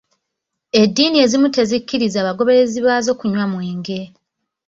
Edddiini ezimu tezikkiriza bagooberezi baazo kunywa mwenge